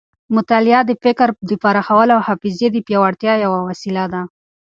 مطالعه د فکر د پراخولو او حافظې د پیاوړتیا یوه وسیله ده.